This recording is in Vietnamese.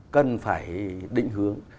cần phải định hướng